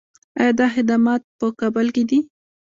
آیا دا خدمات په کابل کې دي؟